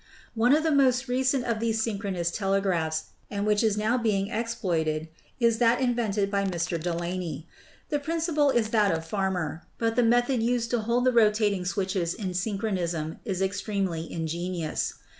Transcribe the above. One of the most recent of these synchronous telegraphs and which is now being exploited is that invented by Mr. Delaney. The principle is that of Farmer, but the method used to hold the rotating switches in synchronism is ex tremely ingenious.